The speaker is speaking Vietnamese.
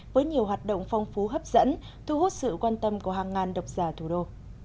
với nhiều hoạt động phong phú hấp dẫn thu hút sự quan tâm của hàng ngàn độc giả thủ đô